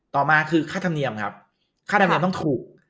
ต่อมาคือค่าธรรมเนียมครับค่าธรรมเนียมต้องถูก